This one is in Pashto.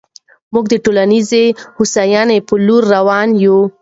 موږ د ټولنیزې هوساینې په لور روان یو.